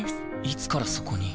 いつからそこに？